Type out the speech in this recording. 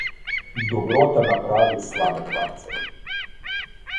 Dobrota napravi slabe hlapce.